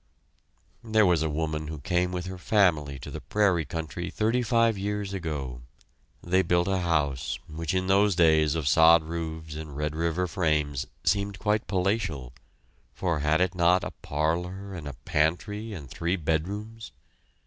There was a woman who came with her family to the prairie country thirty five years ago. They built a house, which in those days of sod roofs and Red River frames seemed quite palatial, for had it not a "parlor" and a pantry and three bedrooms?